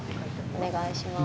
お願いします。